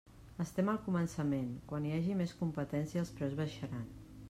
Estem al començament; quan hi hagi més competència, els preus baixaran.